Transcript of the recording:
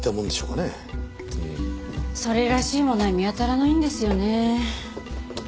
それらしいものは見当たらないんですよね。